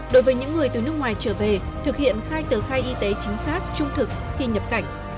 đối với những người từ nước ngoài trở về thực hiện khai tờ khai y tế chính xác trung thực khi nhập cảnh